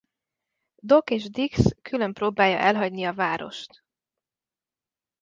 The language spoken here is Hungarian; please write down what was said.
Doc és Dix külön próbálja elhagyni a várost.